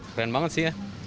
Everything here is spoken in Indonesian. keren banget sih ya